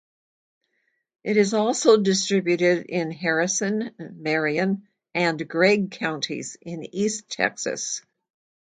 It is also distributed in Harrison, Marion and Gregg counties in east Texas.